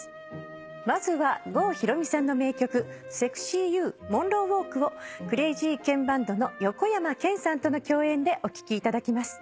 まずは郷ひろみさんの名曲『セクシー・ユー』をクレイジーケンバンドの横山剣さんとの共演でお聴きいただきます。